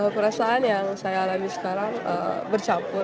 perasaan yang saya alami sekarang bercampur